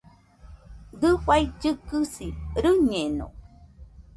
Dafai kɨkɨsi rɨñeno